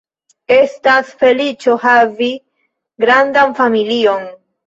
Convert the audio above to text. Estas feliĉo havi grandan familion.